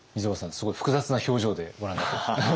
すごい複雑な表情でご覧になってましたね。